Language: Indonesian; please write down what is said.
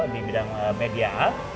di bidang media art